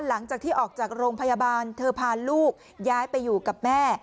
หลังจากที่ออกจากโรงพยาบาลเธอพาลูกย้ายไปอยู่กับแม่